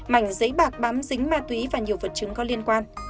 mảnh giấy bạc bám dính ma túy và nhiều vật chứng có liên quan